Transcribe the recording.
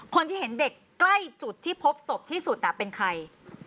คนที่เห็นเด็กใกล้จุดที่พบศพที่สุดเป็นใคร